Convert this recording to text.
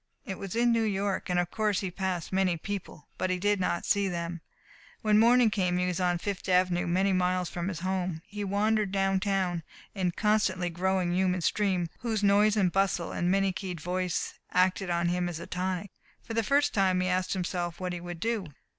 It was in New York, and of course he passed many people. But he did not see them. When morning came he was on Fifth Avenue many miles from his home. He wandered downtown in a constantly growing human stream whose noise and bustle and many keyed voice acted on him as a tonic. For the first time he asked himself what he would do.